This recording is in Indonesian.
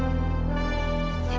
itu bukan pengabdian sofie